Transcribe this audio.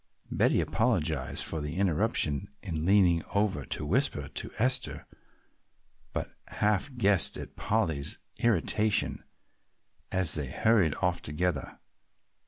Betty apologized for the interruption in leaning over to whisper to Esther, but half guessed at Polly's irritation as they hurried off together.